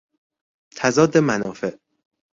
تضاد منافع